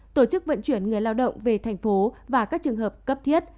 tổ chức vận chuyển người lao động về thành phố và các trường hợp cấp thiết